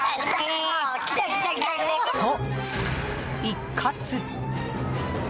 と、一喝。